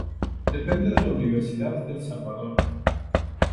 Depende de la Universidad del Salvador.